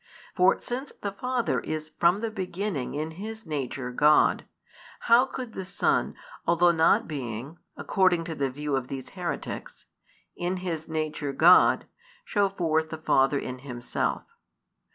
For since the Father is from the beginning in His nature God, how could the Son, |256 although not being (according to the view of these heretics) in His nature God, shew forth the Father in Himself?